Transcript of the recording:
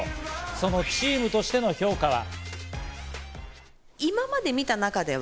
そのチームとしての評価は。